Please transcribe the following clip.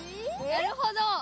なるほど！